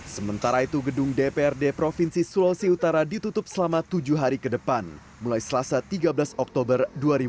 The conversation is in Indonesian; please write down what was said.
sementara itu gedung dprd provinsi sulawesi utara ditutup selama tujuh hari ke depan mulai selasa tiga belas oktober dua ribu dua puluh